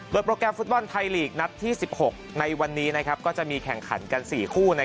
โดยโปรแกรมฟุตบอลไทยลีกนัดที่๑๖ในวันนี้ก็จะมีแข่งขันกัน๔คู่